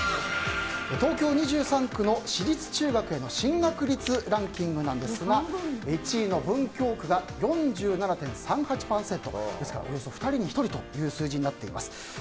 東京２３区の私立中学への進学率ランキングなんですが１位の文京区が４７．３８％ですからおよそ２人に１人という数字にあっています。